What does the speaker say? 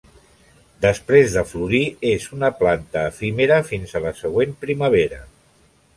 Després de florir és una planta efímera fins a la següent primavera.